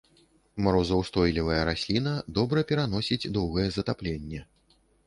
Марозаўстойлівая расліна, добра пераносіць доўгае затапленне.